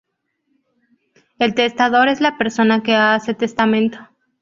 El testador es la persona que hace testamento.